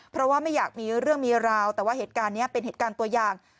เพราะว่าไม่อยากมีเรื่องมีราวแต่ว่าเหตุการณ์นี้เป็นเหตุการณ์ตัวอย่าง